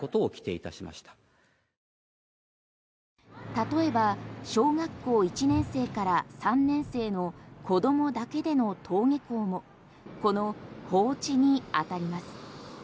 例えば小学校一年生から３年生の子供だけでの登下校もこの放置に当たります。